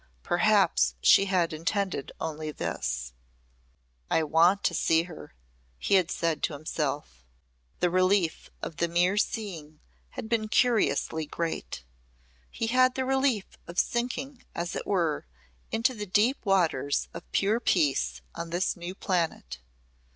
Perhaps she had intended only this. "I want to see her," he had said to himself. The relief of the mere seeing had been curiously great. He had the relief of sinking, as it were, into the deep waters of pure peace on this new planet.